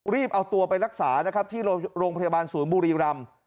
รีบเอาตัวไปรักษานะครับที่โรงพยาบาลศูนย์บุรีรำ